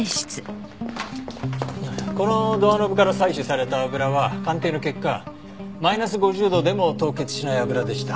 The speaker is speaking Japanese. このドアノブから採取された油は鑑定の結果マイナス５０度でも凍結しない油でした。